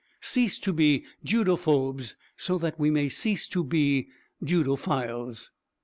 Cease to be 'Judophobes' so that we may cease to be 'Judophiles.''"